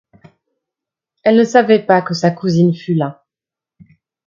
Elle ne savait pas que sa cousine fût là.